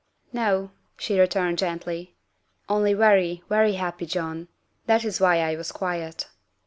'*" No," she returned gently, " only very, very happy, John ; that is why I was quiet.